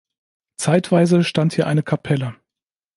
Zeitweise stand hier eine Kapelle.